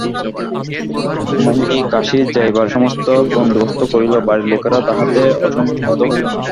মোহিনী কাশী যাইবার সমস্ত বন্দোবস্ত করিল, বাড়ির লোকেরা তাহাতে অসম্মত হইল না।